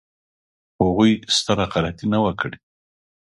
هغوی ستره غلطي نه وه کړې.